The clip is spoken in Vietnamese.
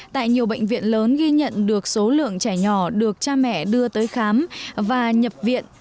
tại nhiều bệnh viện lớn ghi nhận được số lượng trẻ nhỏ được cha mẹ đưa tới khám và nhập viện